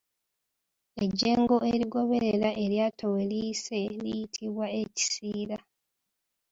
Ejjengo erigoberera eryato we liyise liyitibwa Ekisiira.